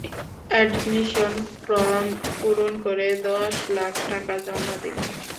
Admission form পূরণ করে, দশ লাখ টাকা জমা দিন।